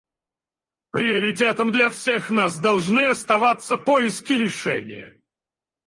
Приоритетом для всех нас должны оставаться поиски решения.